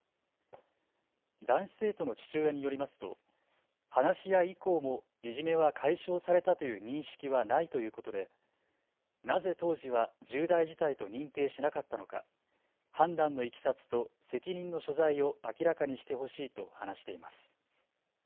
男子生徒の父親によりますと話し合い以降もいじめは解消されたという認識はないということでなぜ当時は重大事態と認定しなかったのか、判断のいきさつと責任の所在を明らかにしてほしいと話しています。